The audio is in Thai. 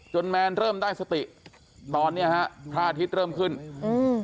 แมนเริ่มได้สติตอนเนี้ยฮะพระอาทิตย์เริ่มขึ้นอืม